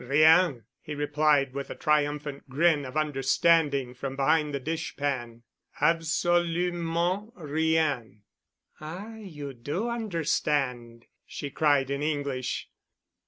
"Rien," he replied with a triumphant grin of understanding from behind the dish pan. "Absolument rien." "Ah, you do understand," she cried in English.